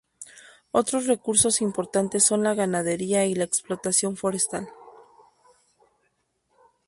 Otros recursos importantes son la ganadería y la explotación forestal.